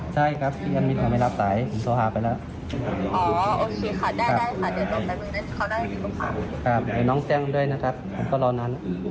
เดี๋ยวลองดูหน่อยนะคะ